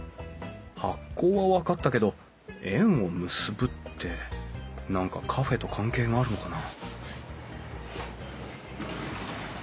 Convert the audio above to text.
「発酵」は分かったけど「縁を結ぶ」って何かカフェと関係があるのかな？